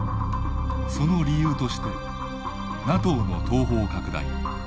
その理由としてＮＡＴＯの東方拡大